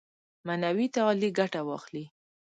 معنوي تعالي ګټه واخلي.